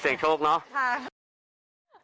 เสียงโชคเนอะ